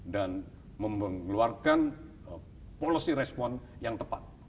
dan mengeluarkan policy response yang tepat